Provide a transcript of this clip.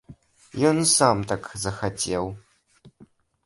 Ён сам так захацеў.